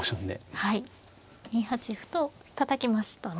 ２八歩とたたきましたね。